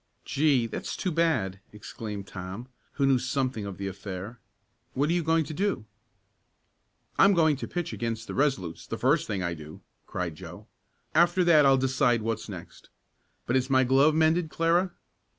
"Gee! That's too bad!" exclaimed Tom, who knew something of the affair. "What are you going to do?" "I'm going to pitch against the Resolutes, the first thing I do!" cried Joe. "After that I'll decide what's next. But is my glove mended, Clara?